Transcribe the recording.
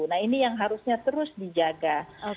nah ini yang harusnya terus dijaga